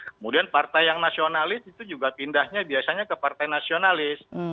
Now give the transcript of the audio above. kemudian partai yang nasionalis itu juga pindahnya biasanya ke partai nasionalis